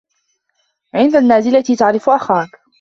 عند النازلة تعرف أخاك.